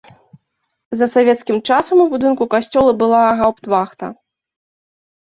За савецкім часам у будынку касцёла была гаўптвахта.